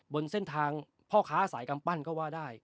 บนเส้นทางพ่อค้าสายกำปั้นก็ว่าได้